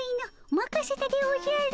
まかせたでおじゃる。